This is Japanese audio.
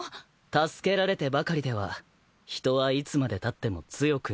助けられてばかりでは人はいつまでたっても強くなれぬ。